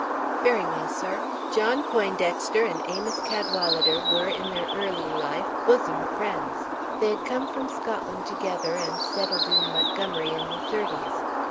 "Very well, sir. John Poindexter and Amos Cadwalader were, in their early life, bosom friends. They had come from Scotland together and settled in Montgomery in the thirties.